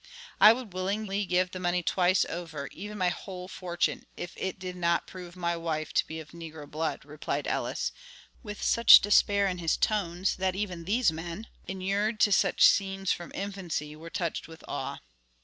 "I would willingly give the money twice over, even my whole fortune, if it did not prove my wife to be of Negro blood," replied Ellis, with such despair in his tones that even these men, inured to such scenes from infancy, were touched with awe.